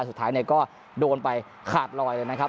สุดท้ายก็โดนไปขาดลอยเลยนะครับ